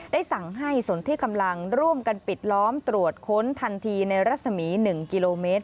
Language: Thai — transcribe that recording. สั่งให้สนที่กำลังร่วมกันปิดล้อมตรวจค้นทันทีในรัศมี๑กิโลเมตร